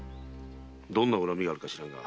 どんな恨みがあるか知らぬが。